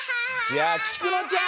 じゃあきくのちゃん。